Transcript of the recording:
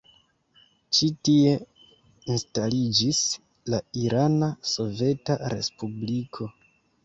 Ĉi-tie instaliĝis la Irana Soveta Respubliko.